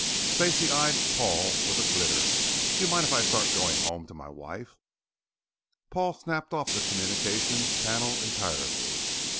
Stacey eyed Paul with a glitter, "D'ye mind if I start going home to my wife?" Paul snapped off the communications panel entirely.